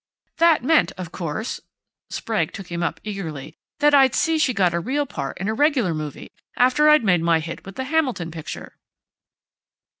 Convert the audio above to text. '"_ "That meant, of course," Sprague took him up eagerly, "that I'd see she got a real part in a regular movie, after I'd made my hit with the Hamilton picture."